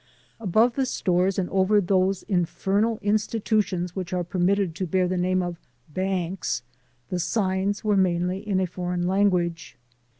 Above the stores and over those infernal institutions which are permitted to bear the name of "banks," the signs were mainly in a foreign language.